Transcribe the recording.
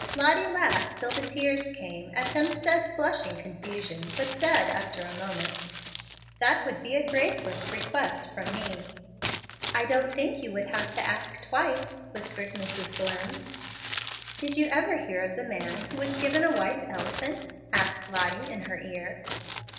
Lottie laughed, till the tears came, at Hemstead's blushing confusion, but said after a moment, "That would be a graceless request from me." "I don't think you would have to ask twice," whispered Mrs. Dlimm. "Did you ever hear of the man who was given a white elephant?" asked Lottie, in her ear.